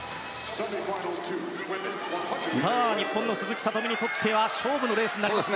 日本の鈴木聡美にとっては勝負のレースになりますね。